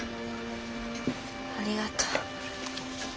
ありがとう。